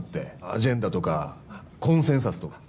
「アジェンダ」とか「コンセンサス」とか。